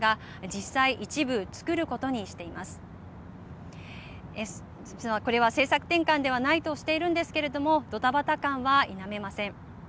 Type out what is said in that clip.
実はこれは政策転換ではないとしているんですけれどもどたばた感は否めません。